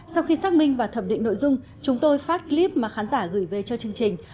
sau khi xác minh và thẩm định nội dung chúng tôi phát clip mà khán giả gửi về cho chương trình